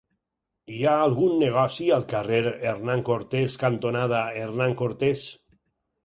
Hi ha algun negoci al carrer Hernán Cortés cantonada Hernán Cortés?